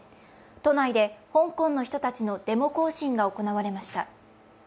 都内で香港の人たちのデモ行進が行われました。